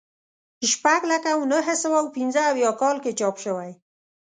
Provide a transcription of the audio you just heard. شپږ لکه نهه سوه پنځه اویا کال کې چاپ شوی.